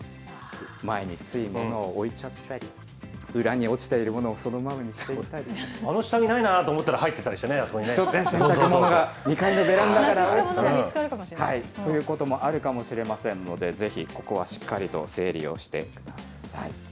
前につい物を置いちゃったり、裏に落ちているものをそのままにしあの下着ないなと思ったら入２階のベランダから。ということもあるかもしれませんので、ぜひ、ここはしっかりと整理をしてください。